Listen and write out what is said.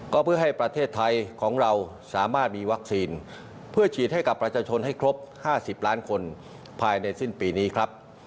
ก็เพื่อให้ประเทศไทยของเราสามารถมีวัคซีนเพื่อฉีดให้กับประชาชนให้ครบ๕๐ล้านคนภายในสิ้นปีนี้ครับ